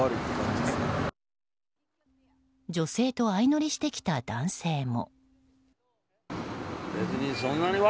女性と相乗りしてきた男性も。